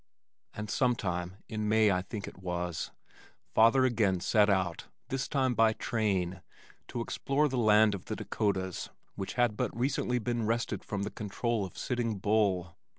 and sometime, in May I think it was, father again set out this time by train, to explore the Land of The Dakotas which had but recently been wrested from the control of Sitting Bull.